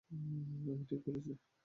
আমি ঠিক বলেছি?